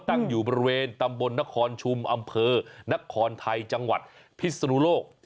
ตั้งอยู่บริเวณตำบลนครชุมอำเภอนครไทยจังหวัดพิศนุโลก